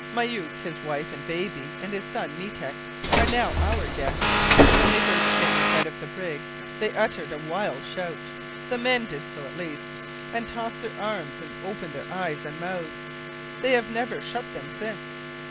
Myouk, his wife and baby, and his son Meetek, are now our guests. When they first came in sight of the brig they uttered a wild shout the men did so, at least and tossed their arms and opened their eyes and mouths. They have never shut them since.